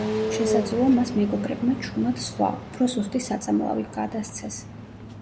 შესაძლოა მას მეგობრებმა ჩუმად სხვა, უფრო სუსტი საწამლავი გადასცეს.